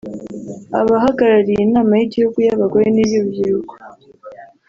abahagarariye Inama y’Igihugu y’Abagore n’iy’Urubyiruko